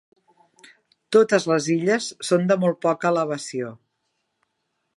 Totes les illes són de molt poca elevació.